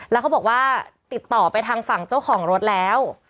แล้วเขาบอกว่าติดต่อไปทางฝั่งเจ้าของรถแล้ว